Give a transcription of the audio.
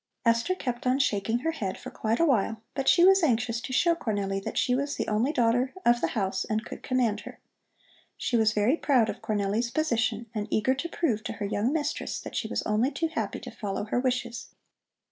Esther kept on shaking her head for quite a while, but she was anxious to show Cornelli that she was the only daughter of the house and could command her. She was very proud of Cornelli's position and eager to prove to her young mistress that she was only too happy to follow her wishes.